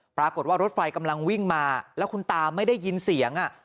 ปรากฏว่ารถไฟกำลังวิ่งมาแล้วคุณตาไม่ได้ยินเสียง